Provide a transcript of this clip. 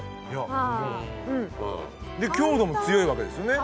強度も強いわけですよね